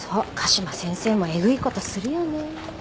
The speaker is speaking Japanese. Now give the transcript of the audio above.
嘉島先生もエグいことするよね。